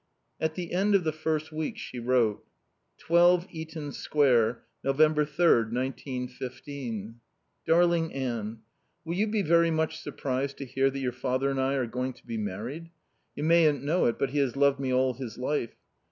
At the end of the first week she wrote: 12 Eaton Square. November 3d, 1915. Darling Anne, Will you be very much surprised to hear that your father and I are going to be married? You mayn't know it, but he has loved me all his life.